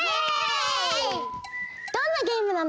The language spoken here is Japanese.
どんなゲームなの？